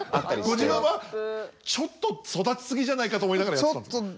ご自分はちょっと育ち過ぎじゃないかと思いながらやってたんですか？